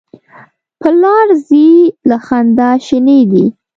پر لار ځي له خندا شینې دي.